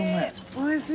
おいしい。